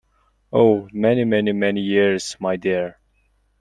Oh, many, many, many years, my dear.